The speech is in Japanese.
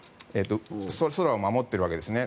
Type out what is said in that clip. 空を守っているわけですね。